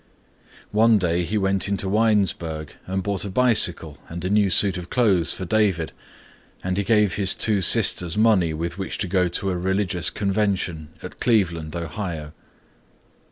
One day he went into Winesburg and bought a bicycle and a new suit of clothes for David and he gave his two sisters money with which to go to a religious convention at Cleveland, Ohio.